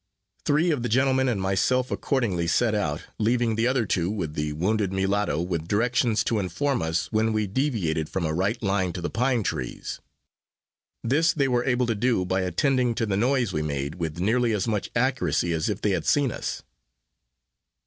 Three of the gentlemen and myself accordingly set out, leaving the other two with the wounded mulatto with directions to inform us when we deviated from a right line to the pine trees. This they were able to do by attending to the noise we made, with nearly as much accuracy as if they had seen us.